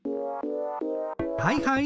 はいはい！